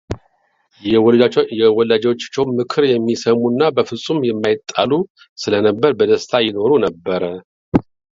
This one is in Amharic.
የወላጆቻቸውን ምክር የሚሰሙና በፍፁም የማይጣሉ ስለነበረ በደስታ ይኖሩ ነበር፡፡